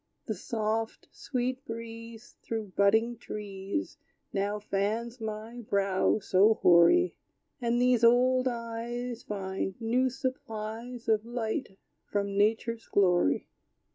The soft, sweet breeze Through budding trees Now fans my brow so hoary: And these old eyes Find new supplies Of light from nature's glory.